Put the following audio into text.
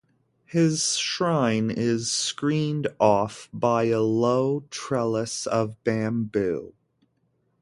His shrine is screened off by a low trellis of bamboo.